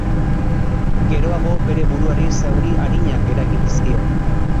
Geroago, bere buruari zauri arinak eragin dizkio.